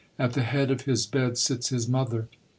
At the head of his bed sits his mother.